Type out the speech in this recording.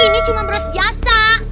ini cuma beras biasa